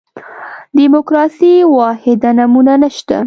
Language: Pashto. دیموکراسي واحده نمونه نه شته.